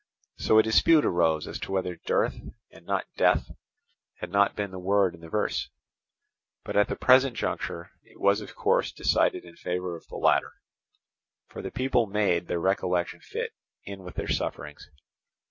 So a dispute arose as to whether dearth and not death had not been the word in the verse; but at the present juncture, it was of course decided in favour of the latter; for the people made their recollection fit in with their sufferings.